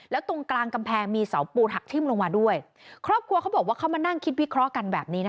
แล้วตรงกลางกำแพงมีเสาปูนหักทิ้มลงมาด้วยครอบครัวเขาบอกว่าเขามานั่งคิดวิเคราะห์กันแบบนี้นะคะ